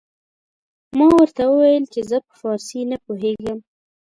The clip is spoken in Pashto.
ما ورته وويل چې زه په فارسي نه پوهېږم.